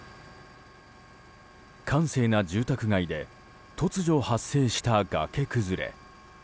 閑静な住宅街で突如発生した崖崩れ。